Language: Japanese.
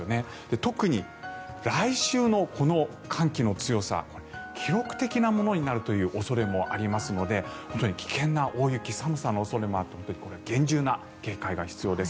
特に、来週のこの寒気の強さ記録的なものになるという恐れもありますので本当に危険な大雪、寒さの恐れもあって厳重な警戒が必要です。